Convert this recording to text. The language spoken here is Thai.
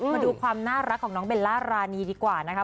มาดูความน่ารักของน้องเบลล่ารานีดีกว่านะคะ